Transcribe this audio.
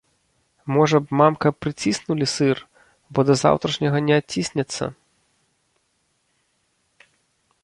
Можа б, мамка, прыціснулі сыр, бо да заўтрашняга не адціснецца.